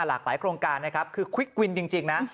หลากหลายโครงการนะครับคือควิกวินจริงนะ